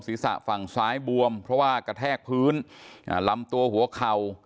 ศีรษะฝั่งซ้ายบวมเพราะว่ากระแทกพื้นอ่าลำตัวหัวเข่า